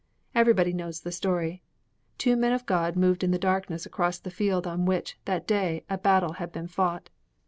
Everybody knows the story. Two men of God moved in the darkness across the field on which, that day, a battle had been fought.